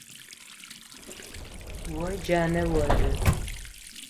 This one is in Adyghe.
О джанэ оды.